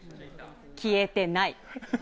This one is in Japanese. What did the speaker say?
消えてない！